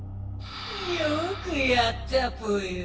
よくやったぽよ！